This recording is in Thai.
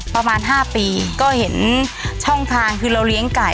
ประมาณ๕ปีก็เห็นช่องทางคือเราเลี้ยงไก่